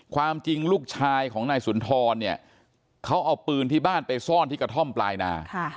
ความจริงลูกชายของนายสุนทรเนี่ยเขาเอาปืนที่บ้านไปซ่อนที่กระท่อมปลายนา